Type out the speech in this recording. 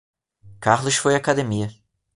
Carlos foi à academia.